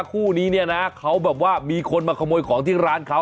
คู่นี้เนี่ยนะเขาแบบว่ามีคนมาขโมยของที่ร้านเขา